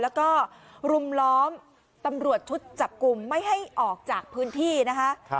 แล้วก็รุมล้อมตำรวจชุดจับกลุ่มไม่ให้ออกจากพื้นที่นะคะ